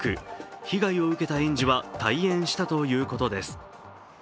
被害を受けた園児は退園したということです。